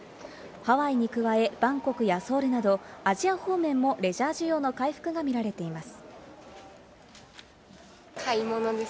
ハワイに加え、バンコクやソウルなどアジア方面もレジャー需要の回復がみられています。